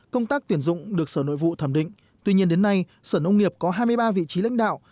công tác tuyển dụng được sở nội vụ thẩm định tuy nhiên đến nay sở nông nghiệp có hai mươi ba vị trí lãnh đạo